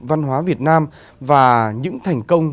văn hóa việt nam và những thành công